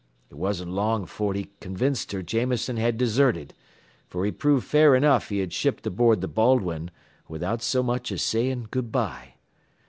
It wasn't long afore he convinced her Jameson had deserted, fer he proved fair enough he had shipped aboard th' Baldwin, without so much as saying good by.